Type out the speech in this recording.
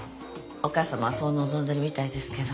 お母さまはそう望んでるみたいですけど。